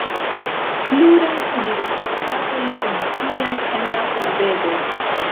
Pluraj universitatoj funkcias en la urbego.